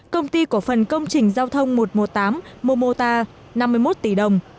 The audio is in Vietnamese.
công ty cổ phần công trình giao thông một trăm một mươi tám momota năm mươi một tỷ đồng